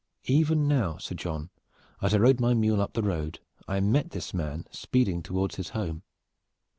"Even now, Sir John, as I rode my mule up the road I met this man speeding toward his home.